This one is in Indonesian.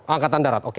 angkatan darat oke